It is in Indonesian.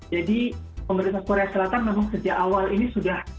jadi pemerintah korea selatan memang sejak awal ini sudah